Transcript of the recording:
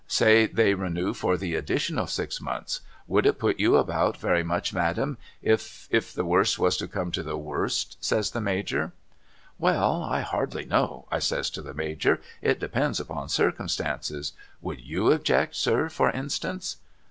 ' Say they renew for the additional six months. Would it put you aliout very much IVIadam if — if the worst was to come to the worst?' said the Major. ' ^^'ell I hard!}' know,' I says to the Major. ' It depends upon circumstances. \Vould_>'^// object Sir for instance?